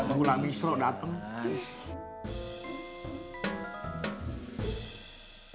mulai besok dateng